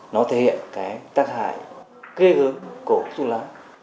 nó thể hiện tác hại gây hướng của thuốc lá